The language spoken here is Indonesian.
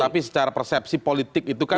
tapi secara persepsi politik itu kan